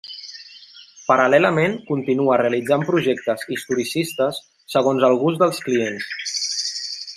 Paral·lelament, continua realitzant projectes historicistes segons el gust dels clients.